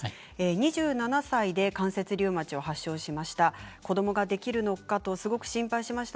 ２７歳で関節リウマチを発症しました。